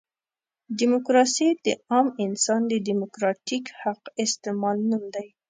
ډیموکراسي د عام انسان د ډیموکراتیک حق استعمال نوم دی.